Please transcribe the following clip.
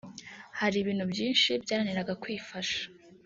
“Hari ibintu byinshi byananiraga kwifasha